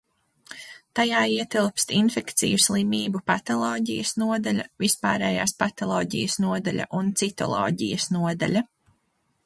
Tajā ietilpst Infekciju slimību patoloģijas nodaļa, Vispārējās patoloģijas nodaļa un Citoloģijas nodaļa.